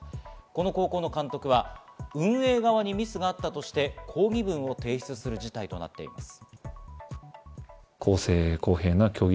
この高校の監督は運営側にミスがあったとして、抗議文を提出する事態となっています。